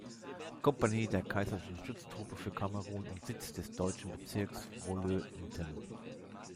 Kompanie der Kaiserlichen Schutztruppe für Kamerun und Sitz des deutschen Bezirks Wolö-Ntem.